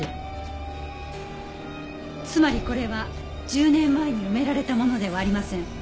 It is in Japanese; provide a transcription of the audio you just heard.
つまりこれは１０年前に埋められたものではありません。